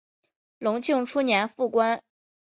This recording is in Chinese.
隆庆初年复官。